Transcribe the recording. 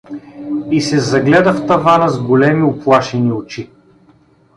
И се загледа в тавана с големи, уплашени очи.